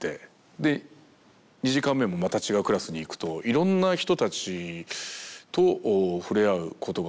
で２時間目もまた違うクラスに行くといろんな人たちと触れ合うことが多くなってって。